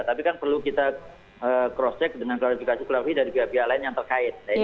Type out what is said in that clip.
tapi kan perlu kita cross check dengan klarifikasi klarifikasi dari pihak pihak lain yang terkait